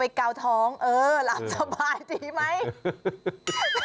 ไปเกาท้องเออสบายดีไหม